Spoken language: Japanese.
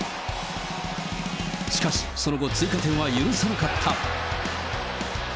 しかし、その後、追加点は許さなかった。